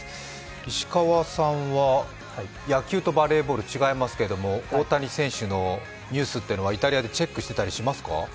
石川さんは、野球とバレーボール違いますけれども大谷選手のニュースはイタリアでチェックしたりしていますか？